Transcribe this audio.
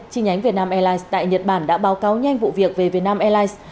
chi nhánh việt nam airlines tại nhật bản đã báo cáo nhanh vụ việc về việt nam airlines